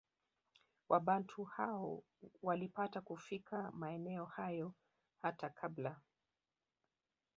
Wabantu hao walipata kufika maeneo hayo hata kabla